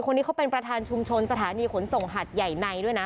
คนนี้เขาเป็นประธานชุมชนสถานีขนส่งหัดใหญ่ในด้วยนะ